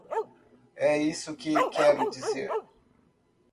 É isso que quero dizer.